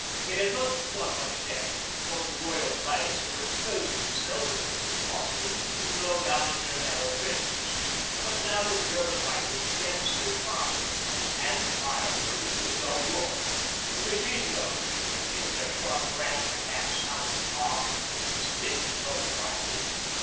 It had not done much damage, because the Royal Blanks were exposing themselves as little as possible and keeping low down in their narrow trenches. But now the German rifles began to speak faster, and the fire rose to a dull roar. The machine guns joined in, their sharp rat tat tat sounding hard and distinct above the rifles.